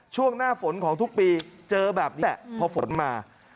ช่วงหน้าฝนของทุกปีเจอแบบนี้พอฝนมา